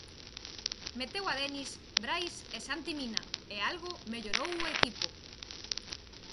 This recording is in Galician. Meteu a Denis, Brais e Santi Mina e algo mellorou o equipo.